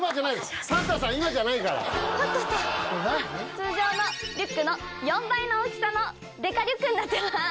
通常のリュックの４倍の大きさのデカリュックになってます。